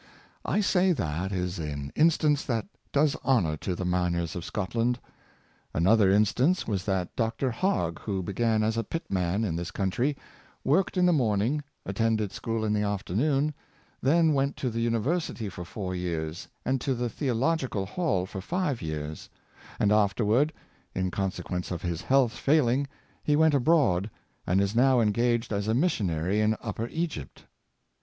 I say that is an instance that does honor to the miners of Scotland. Another instance was that of Dr. Hogg, who began as a pitman in this country; worked in the morning, attended school in the afternoon; then went to the^university for four years, and to the Theo logical Hall for five years; and afterward, in conse quence of his health failing he went abroad, and is now engaged as a missionary in Upper Egypt.